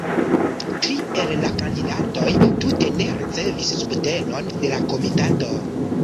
Tri el la kandidatoj tute ne ricevis subtenon de la komitato.